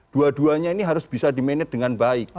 dua duanya ini harus bisa diminit dengan baik